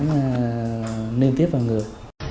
nên tiếp vào người